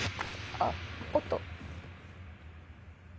あっおっと。